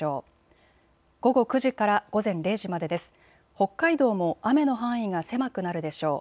北海道も雨の範囲が狭くなるでしょう。